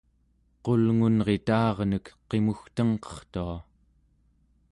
qulngunrita'arnek qimugtengqertua